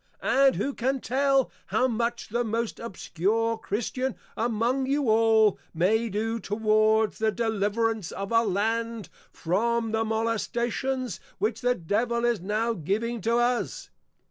_ And who can tell, how much the most Obscure Christian among you all, may do towards the Deliverance of our Land from the Molestations which the Devil is now giving to us.